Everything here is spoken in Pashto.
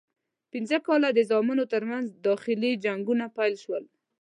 پنځه کاله د زامنو ترمنځ داخلي جنګونه پیل شول.